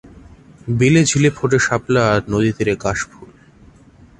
বিলে-ঝিলে ফোটে শাপলা আর নদীতীরে কাশফুল।